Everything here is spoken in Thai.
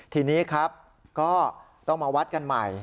ทีนี้ครับก็ต้องมาวัดกันใหม่